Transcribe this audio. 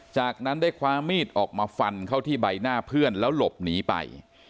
จากนั้นได้คว้ามีดออกมาฟันเข้าที่ใบหน้าเพื่อนแล้วหลบหนีไป